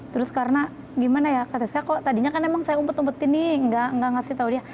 terus karena gimana ya kata saya kok tadinya kan emang saya umpet umpetin nih nggak ngasih tau dia